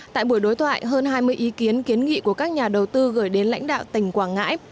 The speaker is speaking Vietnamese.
tại buổi đối thoại hơn hai mươi ý kiến kiến nghị của các nhà đầu tư gửi đến lãnh đạo tỉnh quảng ngãi